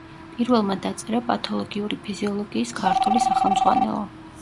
პირველმა დაწერა პათოლოგიური ფიზიოლოგიის ქართული სახელმძღვანელო.